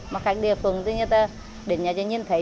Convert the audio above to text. mà khách địa phương thì người ta đến nhà cho nhìn thấy